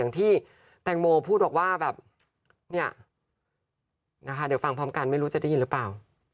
ที่แตงโมพูดบอกว่าแบบเนี่ยนะคะเดี๋ยวฟังพร้อมกันไม่รู้จะได้ยินหรือเปล่า